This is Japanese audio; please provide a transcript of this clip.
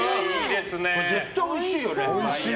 絶対おいしいよね！